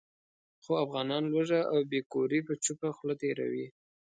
خو افغانان لوږه او بې کوري په چوپه خوله تېروي.